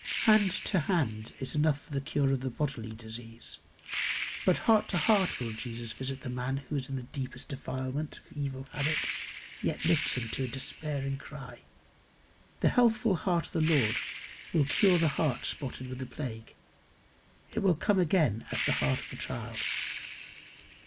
Hand to hand is enough for the cure of the bodily disease; but heart to heart will Jesus visit the man who in deepest defilement of evil habits, yet lifts to him a despairing cry. The healthful heart of the Lord will cure the heart spotted with the plague: it will come again as the heart of a child.